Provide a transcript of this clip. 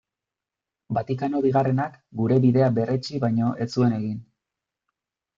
Vatikano Bigarrenak gure bidea berretsi baino ez zuen egin.